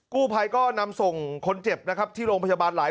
กู้ภัยก็นำส่งคนเจ็บนะครับที่โรงพยาบาลหลาย